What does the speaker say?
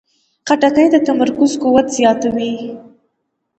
خټکی د تمرکز قوت زیاتوي.